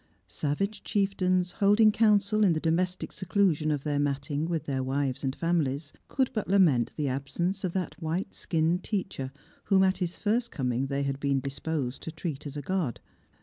Savage chief tains, holding council in the domestic seclusion of their matting with their wives and families, could but lament the absence of that white skinned teacher whom at his first coming they had been disposed to treat as a god.